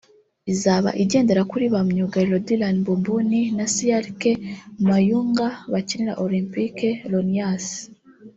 izaba igendera kuri ba myugariro Dylan Mboumbouni na Cyriaque Mayounga bakinira Olympique Lyonnais